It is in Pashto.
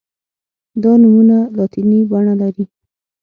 دا نومونه لاتیني بڼه لري.